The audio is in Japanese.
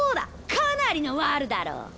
かなりのワルだろう？